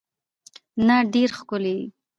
ته ډیر ښکلی یی